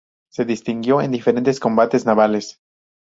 Se distinguió en diferentes combates navales.